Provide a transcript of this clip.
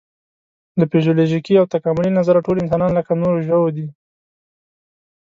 له فزیولوژیکي او تکاملي نظره ټول انسانان لکه د نورو ژوو دي.